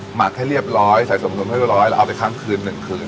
หมักให้เรียบร้อยใส่ส่วนรวมให้เรียบร้อยแล้วเอาไปค้างคืนหนึ่งคืน